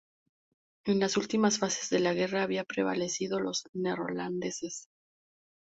En las últimas fases de la guerra habían prevalecido los neerlandeses.